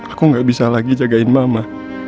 aku gak bisa lagi jagain mama